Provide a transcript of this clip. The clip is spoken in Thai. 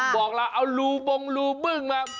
บอกละเอารูบงรูมึงมา